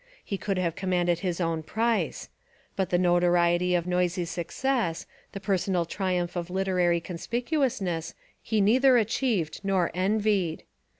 He could have commanded his own price. But the notoriety of noisy success, the personal triumph of literary conspicuousness he neither achieved nor envied.